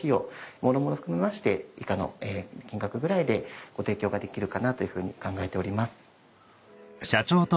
もろもろ含めまして以下の金額ぐらいでご提供ができるかなというふうに考えております。